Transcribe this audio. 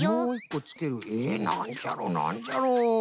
なんじゃろなんじゃろ？